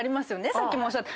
さっきもおっしゃった。